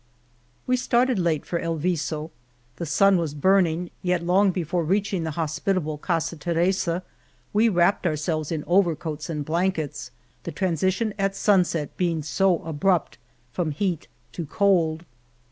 We started late for El Viso. The sun was burning, yet long before reaching the hospitable Casa Teresa we wrapped our selves in overcoats and blankets, the transi tion at sunset being so abrupt from heat to cold.